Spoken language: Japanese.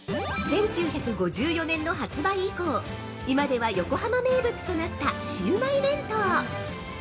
◆１９５４年の発売以降、今では横浜名物となった「シウマイ弁当」。